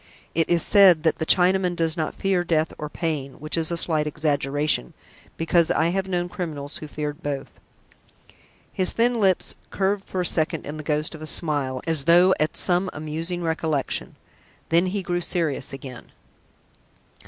It is said that the Chinaman does not fear death or pain, which is a slight exaggeration, because I have known criminals who feared both." His thin lips curved for a second in the ghost of a smile, as though at some amusing recollection. Then he grew serious again.